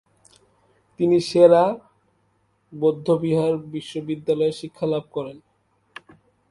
তিনি সে-রা বৌদ্ধবিহার বিশ্ববিদ্যালয়ে শিক্ষালাভ করেন।